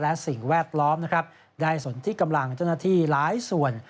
และสิ่งแวดล้อมนะครับได้สนที่กำลังเจ้าหน้าที่หลายส่วน